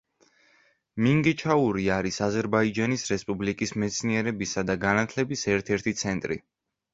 მინგეჩაური არის აზერბაიჯანის რესპუბლიკის მეცნიერებისა და განათლების ერთ-ერთი ცენტრი.